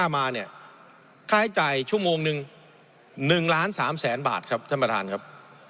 มาเนี่ยค่าใช้จ่ายชั่วโมงหนึ่ง๑ล้าน๓แสนบาทครับท่านประธานครับ